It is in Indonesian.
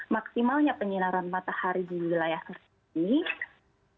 maksimalnya penyinaran matahari di wilayah tersebut